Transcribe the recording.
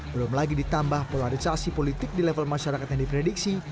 belum lagi ditambah polarisasi politik di level masyarakat yang diprediksi